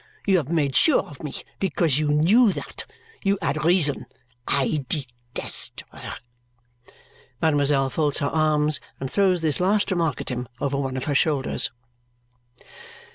You have made sure of me because you knew that. You had reason! I det est her." Mademoiselle Hortense folds her arms and throws this last remark at him over one of her shoulders.